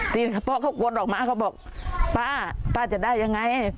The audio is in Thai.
ตีนพ่อเขากวนหลอกมาเขาบอกป้าป้าจะได้อย่างไร